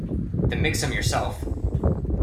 Then make some yourself.